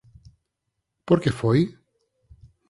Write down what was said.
Por que foi?